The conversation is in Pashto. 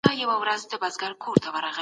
ما په خپل ټول ژوند کي رښتينولي پاللې ده.